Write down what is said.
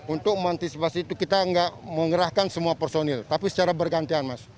untuk mengantisipasi itu kita tidak mengerahkan semua personil tapi secara bergantian mas